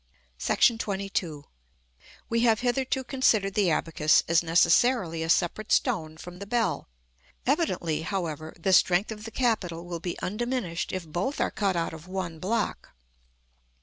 § XXII. We have hitherto considered the abacus as necessarily a separate stone from the bell: evidently, however, the strength of the capital will be undiminished if both are cut out of one block.